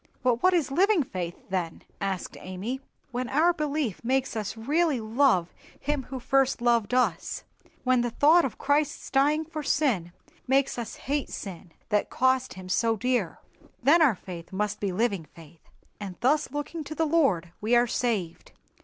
"But what is living faith, then?" asked Amy. "When our belief makes us really love Him who first loved us,—when the thought of Christ's dying for sin makes us hate sin, that cost Him so dear, then our faith must be living faith; and thus looking to the Lord we are saved."